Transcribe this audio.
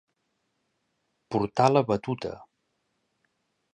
Portar la batuta.